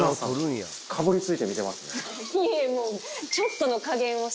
いいえもう。